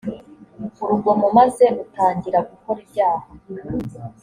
urugomo maze utangira gukora ibyaha